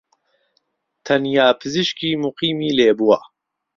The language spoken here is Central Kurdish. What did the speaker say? تەنیا پزیشکیی موقیمی لێبووە